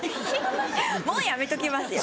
もうやめときますよ。